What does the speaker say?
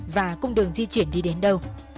và cùng đường di chuyển đi đến đâu